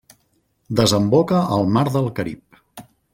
Desemboca al Mar del Carib.